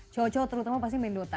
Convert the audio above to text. cowok cowok terutama pasti main dota